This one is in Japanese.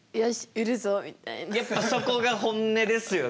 やっぱそこが本音ですよね。